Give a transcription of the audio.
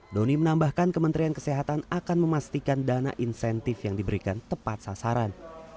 doni menambahkan kementerian kesehatan akan memastikan dana insentif yang diberikan tepat sasaran